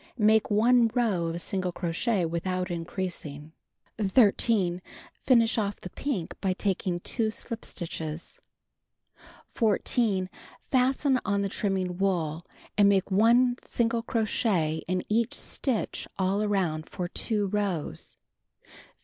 Make 1 row of single crochet without increasing. 13. Finish off the pink by taking 2 slip stitches. 14. Fasten on the trimnung wool, and make 1 single crochet in each stitch all around for 2 rows. 15.